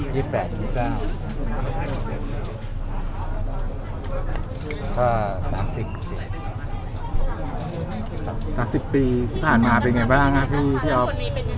๓๐ปีที่ผ่านมาเป็นไงบ้างครับพี่อ๊อฟ